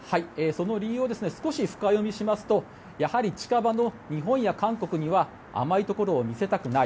その理由を少し深読みしますとやはり、近場の日本や韓国には甘いところを見せたくない。